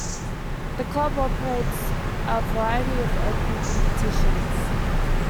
The club operates a variety of open competitions.